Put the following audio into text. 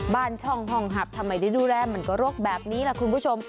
บ้านช่องห้องหับทำไมได้ดูแลมันก็โรคแบบนี้ล่ะคุณผู้ชม